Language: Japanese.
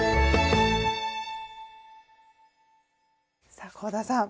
さあ香田さん